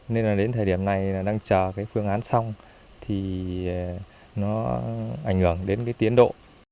nên đến thời điểm này đang chờ phương án xong thì nó ảnh hưởng đến tiến độ